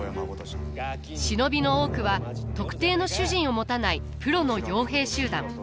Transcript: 忍びの多くは特定の主人を持たないプロの傭兵集団。